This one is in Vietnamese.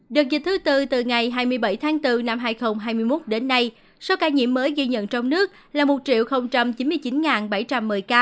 đợt dịch thứ tư từ ngày hai mươi bảy tháng bốn năm hai nghìn hai mươi một đến nay số ca nhiễm mới ghi nhận trong nước là một chín mươi chín bảy trăm một mươi ca